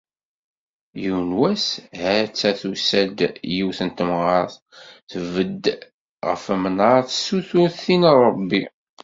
Yiwen wass, ha-tt-a tusa-d yiwet. temɣart, tbedd-d ɣef umnar tessutur tin n Rebbi.